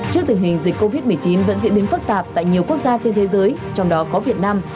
trước tình hình dịch covid một mươi chín vẫn diễn biến phức tạp tại nhiều quốc gia trên thế giới trong đó có việt nam